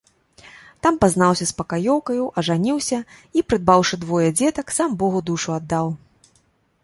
Там пазнаўся з пакаёўкаю, ажаніўся і, прыдбаўшы двое дзетак, сам богу душу аддаў.